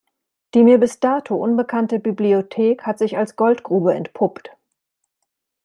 Die mir bis dato unbekannte Bibliothek hat sich als Goldgrube entpuppt.